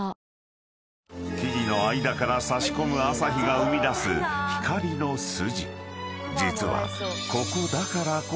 ［木々の間から差し込む朝日が生み出す光の筋］